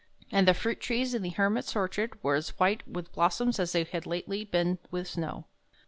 And the fruit trees in the Hermit's orchard were as white with blossoms as they had lately been with snow.